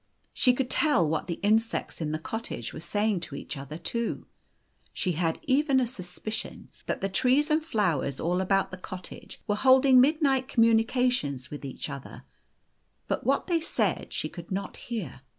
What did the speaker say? She could tell what the insects in the cottage were saying to each other too. She had even a suspicion that the trees and flowers all about the cottage were holding midnight communications with each other ; but what o they said she could not hear.